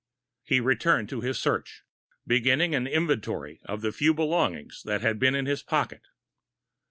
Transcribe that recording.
He returned to his search, beginning an inventory of the few belongings that had been in his pocket.